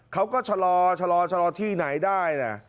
เขาก็ชะลอชะลอชะลอที่ไหนได้นะ